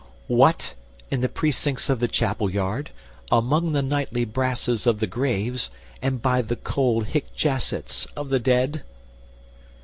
What, in the precincts of the chapel yard, Among the knightly brasses of the graves, And by the cold Hic Jacets of the dead!"